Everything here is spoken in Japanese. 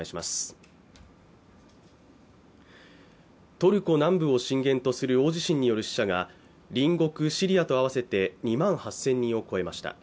トルコ南部を震源とする大地震による死者が隣国シリアと合わせて２万８０００人を超えました